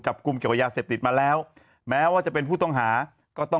จับกลุ้มเกี่ยวยาเซ็บติดมาแล้วแม้ว่าจะเป็นผู้ต้องหาก็